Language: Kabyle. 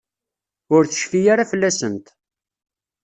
Ur tecfi ara fell-asent.